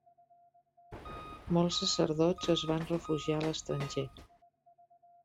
Molts sacerdots es van refugiar a l'estranger.